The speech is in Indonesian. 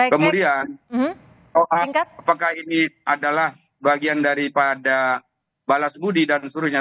kemudian apakah ini adalah bagian daripada balas budi dan suruhnya